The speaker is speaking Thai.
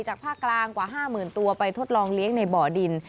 ภาคกลางกว่า๕๐๐๐ตัวไปทดลองเลี้ยงในบ่อดิน